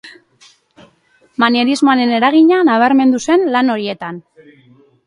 Manierismoaren eragina nabarmendu zen lan horietan.